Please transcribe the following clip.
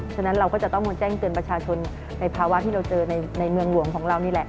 ฉะนั้นเราก็จะต้องมาแจ้งเตือนประชาชนในภาวะที่เราเจอในเมืองหลวงของเรานี่แหละ